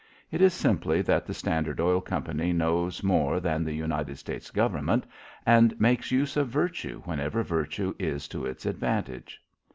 It is simply that the Standard Oil Company knows more than the United States Government and makes use of virtue whenever virtue is to its advantage.